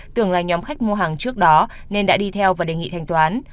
tưởng là nhóm khách mua hàng trước đó nên đã đi theo và đề nghị thanh toán